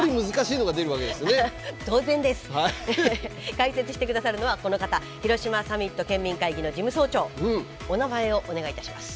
解説してくださるのはこの方広島サミット県民会議の事務総長お名前をお願いいたします。